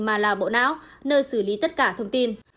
mà là bộ não nơi xử lý tất cả thông tin